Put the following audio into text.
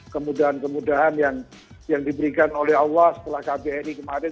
kemudahan kemudahan yang diberikan oleh allah setelah kbri kemarin